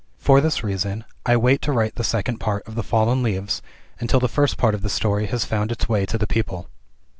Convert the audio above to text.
For this reason, I wait to write the second part of "The Fallen Leaves," until the first part of the story has found its way to the people.